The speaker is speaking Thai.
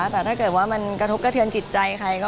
แต่ถ้าเกิดว่ามันกระทบกระเทือนจิตใจใคร